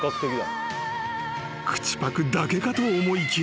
［口パクだけかと思いきや］